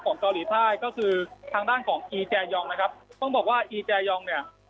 เกาหลีใต้ก็คือทางด้านของอีแจยองนะครับต้องบอกว่าอีแจยองเนี่ย